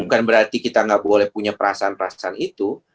bukan berarti kita nggak boleh punya perasaan perasaan itu